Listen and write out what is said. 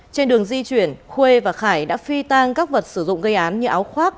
trên đường di chuyển khuê và khải đã phi tan các vật sử dụng gây án như áo khoác